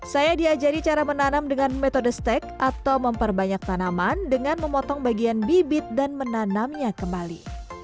saya diajari cara menanam dengan metode stek atau memperbanyak tanaman dengan memotong bagian bibit dan menanamnya kembali